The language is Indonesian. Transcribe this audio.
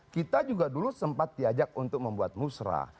kita juga dulu sempat diajak untuk membuat musrah